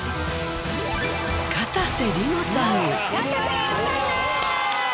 かたせ梨乃さんです！